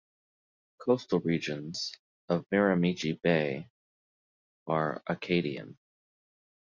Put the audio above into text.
Coastal regions of Miramichi Bay are Acadian.